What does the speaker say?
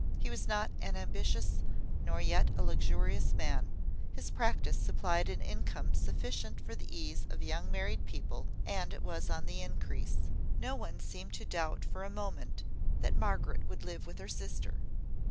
He was not an ambitious, nor yet a luxurious man: his practice supplied an income sufficient for the ease of young married people, and it was on the increase. No one seemed to doubt for a moment that Margaret would live with her sister.